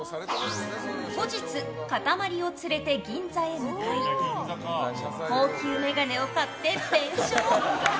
後日、かたまりを連れて銀座へ向かい高級眼鏡を買って弁償！